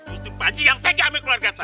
ustu panci yang tega sama keluarga saya